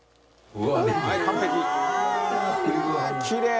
「うわっきれい！」